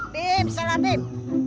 bim salah bim